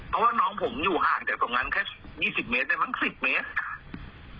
เพราะว่าน้องผมอยู่ห่างจากตรงนั้นแค่๒๐เมตรได้มั้ง๑๐เมตร